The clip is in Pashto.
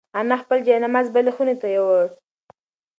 انا خپل جاینماز بلې خونې ته یووړ.